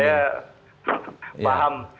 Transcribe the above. ya lah saya paham